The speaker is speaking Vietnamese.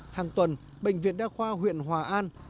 hàng tuần bệnh viện đa khoa huyện hòa an